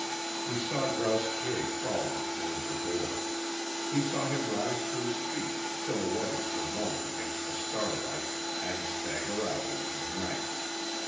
He saw Grouse Piet crawling toward the door. He saw him rise to his feet, silhouetted for a moment against the starlight, and stagger out into the night.